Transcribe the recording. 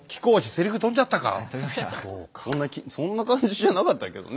そんな感じじゃなかったけどね。